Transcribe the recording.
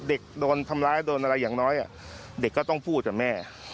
เด็กโดนทำร้ายโดนอะไรอย่างน้อยเด็กก็ต้องพูดกับแม่